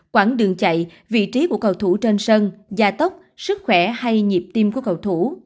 quảng đường chạy vị trí của cầu thủ trên sân gia tốc sức khỏe hay nhịp tim của cầu thủ